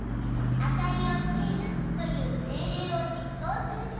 「明かりをつける」という命令を実行すると。